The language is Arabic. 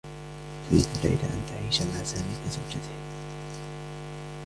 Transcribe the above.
تريد ليلى أن تعيش مع سامي كزوجته.